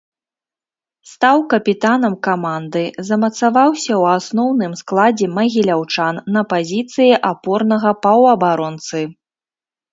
Стаў капітанам каманды, замацаваўся ў асноўным складзе магіляўчан на пазіцыі апорнага паўабаронцы.